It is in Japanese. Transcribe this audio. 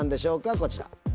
こちら。